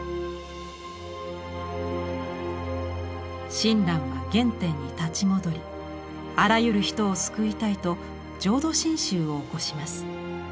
親鸞は原点に立ち戻りあらゆる人を救いたいと浄土真宗を興します。